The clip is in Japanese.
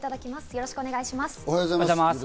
よろしくお願いします。